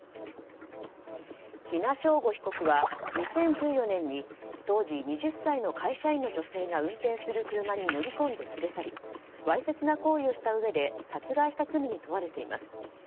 喜納尚吾被告は２０１４年に当時２０歳の会社員の女性が運転する車に乗り込んで連れ去りわいせつな行為をしたうえで殺害した罪に問われています。